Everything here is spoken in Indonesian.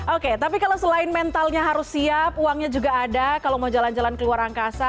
oke tapi kalau selain mentalnya harus siap uangnya juga ada kalau mau jalan jalan ke luar angkasa